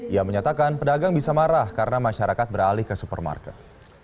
ia menyatakan pedagang bisa marah karena masyarakat beralih ke supermarket